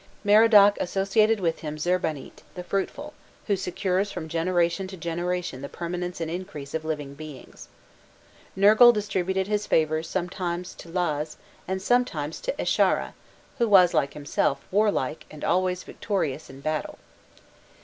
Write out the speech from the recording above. Merodach associated with him Zirbanit, the fruitful, who secures from generation to generation the permanence and increase of living beings. Nergal distributed his favours sometimes to Laz, and sometimes to Esharra, who was, like himself, warlike and always victorious in battle.